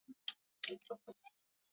列代尔施耶德特人口变化图示